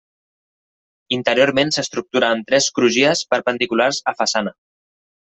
Interiorment s'estructura amb tres crugies perpendiculars a façana.